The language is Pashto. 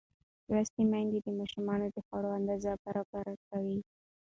لوستې میندې د ماشومانو د خوړو اندازه برابره کوي.